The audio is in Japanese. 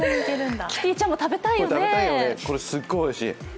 これすっごいおいしい。